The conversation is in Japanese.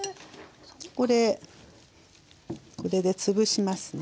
これで潰しますね。